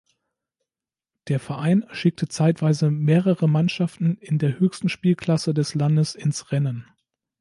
Der Verein schickte zeitweise mehrere Mannschaften in der höchsten Spielklasse des Landes ins Rennen.